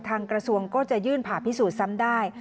กระทรวงก็จะยื่นผ่าพิสูจน์ซ้ำได้